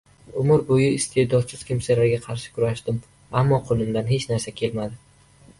“Umr bo‘yi iste’dodsiz kimsalarga qarshi kurashdim, ammo qo‘limdan hech narsa kelmadi…”.